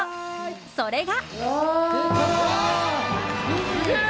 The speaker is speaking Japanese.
それが。